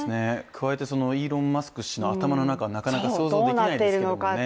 加えてイーロン・マスク氏の頭の中はなかなか想像できないですからね。